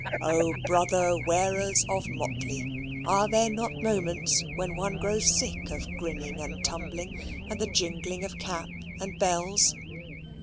O brother wearers of motley! Are there not moments when one grows sick of grinning and tumbling, and the jingling of cap and bells?